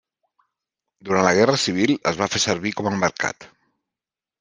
Durant la Guerra Civil es va fer servir com a mercat.